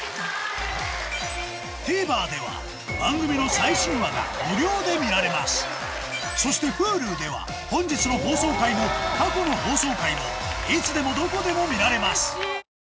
ＴＶｅｒでは番組の最新話が無料で見られますそしてＨｕｌｕでは本日の放送回も過去の放送回もいつでもどこでも見られます